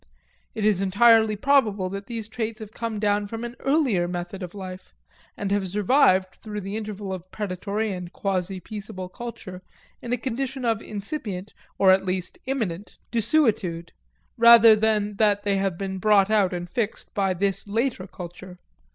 It is entirely probable that these traits have come down from an earlier method of life, and have survived through the interval of predatory and quasi peaceable culture in a condition of incipient, or at least imminent, desuetude, rather than that they have been brought out and fixed by this later culture.